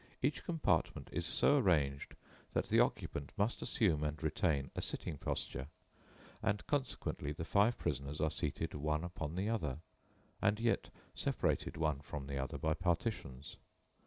Each compartment is so arranged that the occupant must assume and retain a sitting posture, and, consequently, the five prisoners are seated one upon the other, and yet separated one from the other by partitions.